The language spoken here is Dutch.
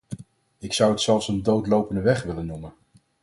Ik zou het zelfs een doodlopende weg willen noemen.